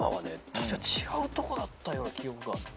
確か違うとこだったような記憶が。